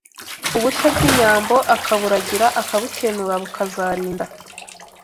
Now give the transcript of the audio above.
ubushyo bw’inyambo akaburagira, akabukenura bukazarinda